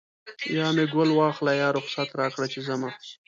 یا مې ګل واخله یا رخصت راکړه چې ځمه